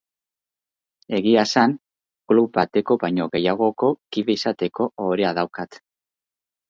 Egia esan, klub bateko baino gehiagoko kide izateko ohorea daukat.